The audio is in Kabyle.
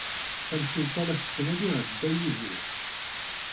Tamsulta la tettnadi ɣef Dda Yidir.